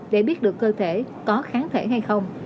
để biết được cơ thể có kháng thể hay không